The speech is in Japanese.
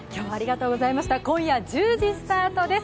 今夜１０時スタートです。